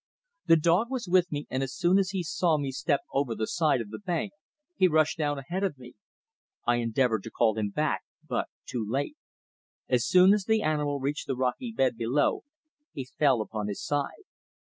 The dog was with me, and as soon as he saw me step over the side of the bank he rushed down ahead of me. I endeavoured to call him back, but too late. As soon as the animal reached the rocky bed below he fell upon his side.